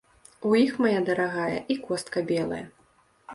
У іх, мая дарагая, і костка белая.